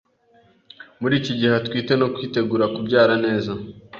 muri iki gihe atwite, no kwitegura kubyara neza